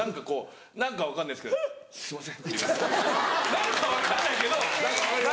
何か分かんないけど。